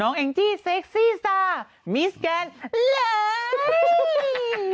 น้องเอ็งจี้เซ็กซี่ส้ามีส์แกนแหล้ง